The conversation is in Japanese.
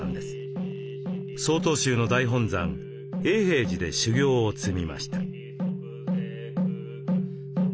曹洞宗の大本山永平寺で修行を積みました。